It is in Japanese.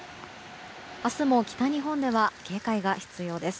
明日も、北日本では警戒が必要です。